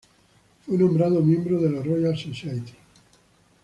Fue nombrado miembro de la Royal Society.